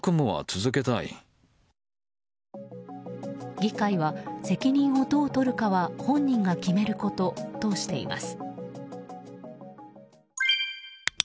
議会は、責任をどうとるかは本人が決めることとしています。